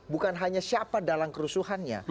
bukan hanya siapa dalam kerusuhannya